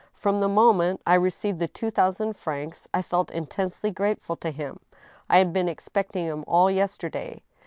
From the moment I received the two thousand francs I felt intensely grateful to him. I had been expecting him all yesterday.